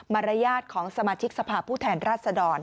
รยาทของสมาชิกสภาพผู้แทนรัศดร